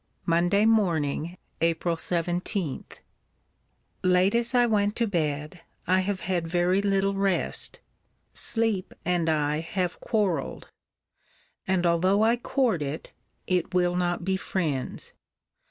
] MONDAY MORNING, APRIL 17. Late as I went to bed, I have had very little rest. Sleep and I have quarreled; and although I court it, it will not be friends.